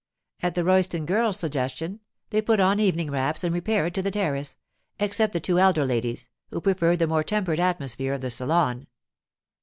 At the Royston girls' suggestion, they put on evening wraps and repaired to the terrace—except the two elder ladies, who preferred the more tempered atmosphere of the salon.